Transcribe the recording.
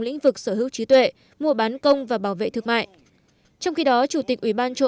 lĩnh vực sở hữu trí tuệ mua bán công và bảo vệ thương mại trong khi đó chủ tịch ủy ban châu